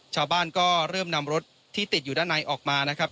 ชาวบ้านก็เริ่มนำรถที่ติดอยู่ด้านในออกมานะครับ